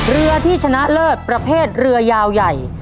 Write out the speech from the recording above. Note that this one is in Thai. เรือที่ชนะเลิศประเภทเรือยาวใหญ่